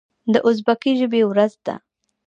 د ازبکي ژبې ورځ ده.